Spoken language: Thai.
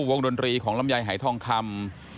ดนตรีของลำไยหายทองคำ